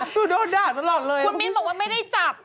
ดูโดนด่าตลอดเลยคุณมิ้นบอกว่าไม่ได้จับ